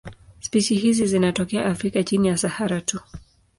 Spishi hizi zinatokea Afrika chini ya Sahara tu.